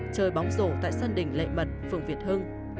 chơi bóng rổ tại sân đỉnh lệ mật phường việt hưng